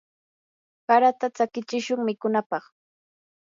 harata tsakichishun mikunapaq.